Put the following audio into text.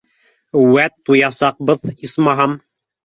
Үәт, туясаҡбыҙ, исмаһам.